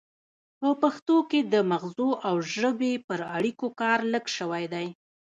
په پښتو کې د مغزو او ژبې پر اړیکو کار لږ شوی دی